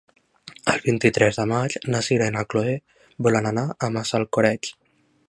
El vint-i-tres de maig na Sira i na Chloé volen anar a Massalcoreig.